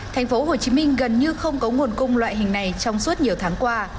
tp hcm gần như không có nguồn cung loại hình này trong suốt nhiều tháng qua